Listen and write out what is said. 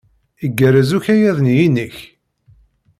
Igerrez ukayad-nni-inek?